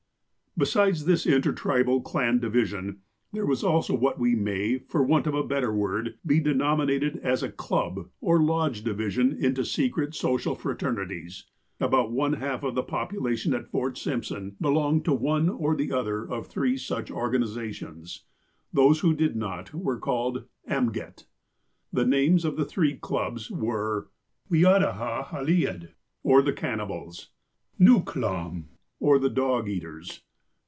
Besides this intertribal clan division, there was also what may, for w ant of a better word, be denominated as a club or lodge division into secret social fraternities. About one half of the population at Fort Simpson be THE TOTEMS AND CLUBS 89 longed to one or other of three such organizations. Those who did not were called " amget." The names of the three clubs were : (1) " Weada ha hallied " or the cannibals. (2) '' Nukhlam," or the dog eaters.